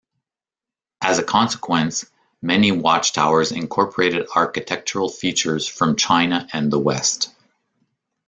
As a consequence, many watchtowers incorporated architectural features from China and the West.